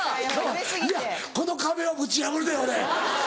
いやこの壁をぶち破るで俺！